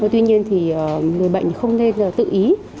tuy nhiên người bệnh không nên tự ý